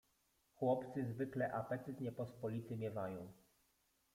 "Chłopcy zwykle apetyt niepospolity miewają."